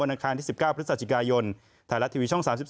อาคารที่๑๙พฤศจิกายนไทยรัฐทีวีช่อง๓๒